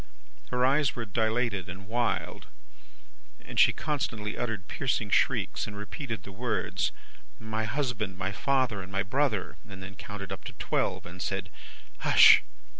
Her eyes were dilated and wild, and she constantly uttered piercing shrieks, and repeated the words, 'My husband, my father, and my brother!' and then counted up to twelve, and said, 'Hush!